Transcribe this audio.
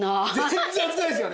全然熱くないですよね？